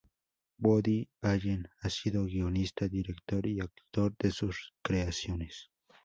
Woody Allen ha sido guionista, director y actor de sus creaciones.